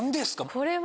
これは。